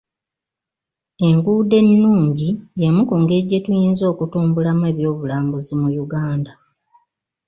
Enguudo ennungi y'emu ku ngeri gye tuyinza okutumbulamu ebyobulambuzi mu Uganda.